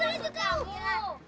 alah dia juga suka omlo